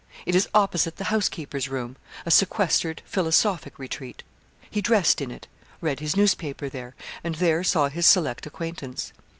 It is opposite the housekeeper's room a sequestered, philosophic retreat. He dressed in it, read his newspaper there, and there saw his select acquaintance.